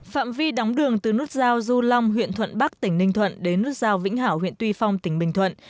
phạm vi đóng đường từ nút giao du long huyện thuận bắc tỉnh ninh thuận đến nút giao vĩnh hảo huyện tuy phong tỉnh bình thuận